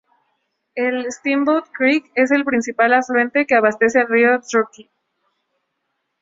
El Steamboat Creek es el principal afluente que abastece al río Truckee.